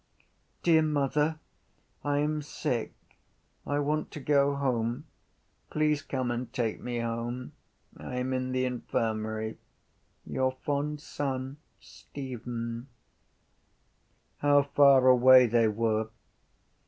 Dear Mother, I am sick. I want to go home. Please come and take me home. I am in the infirmary. Your fond son, Stephen How far away they were!